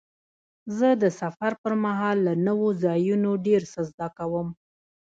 زه د سفر پر مهال له نوو ځایونو ډېر څه زده کوم.